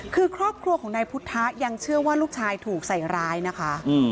คือครอบครัวของนายพุทธะยังเชื่อว่าลูกชายถูกใส่ร้ายนะคะ